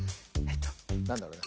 なんだろうな。